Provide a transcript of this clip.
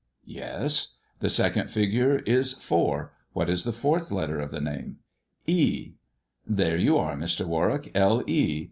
" Yes. The second figure is four. What is the fourth letter of the name 1 "" There you are, Mr. Warwick : Le.